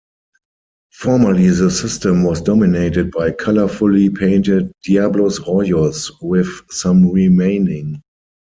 Formerly, the system was dominated by colorfully painted "diablos rojos", with some remaining.